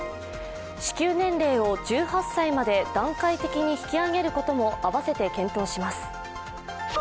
支給年齢を１８歳まで段階的に引き上げることも併せて検討します。